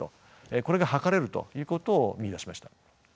これが測れるということを見いだしました。